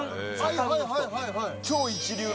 はいはいはいはいはい！